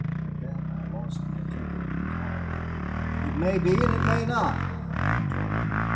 At that I lost my temper entirely. "It may be, and it may not," I retorted.